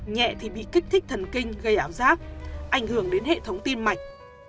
nhẹ thì bị kích thích thần kinh gây ảo giác ảnh hưởng đến hệ thống tin mạch